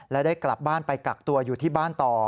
และได้กลับบ้านไปกักตัวอยู่ที่บ้านต่อ